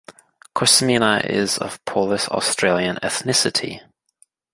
Kosmina is of Polish Australian ethnicity.